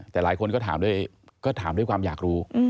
แต่หลายคนก็ถามด้วยความอยากรู้